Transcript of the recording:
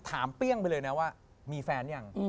ถามเสร็จไปเลยนะว่ามีแฟนหรือยัง